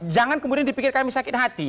jangan kemudian dipikir kami sakit hati